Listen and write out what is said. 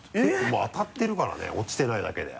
もう当たってるからね落ちてないだけで。